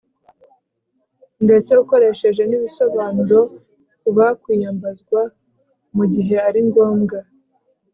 ndetse ukoresheje n'ibisobanuro ku bakwiyambazwa mu gihe ari ngombwa